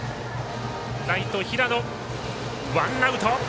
ライト、平野とってワンアウト。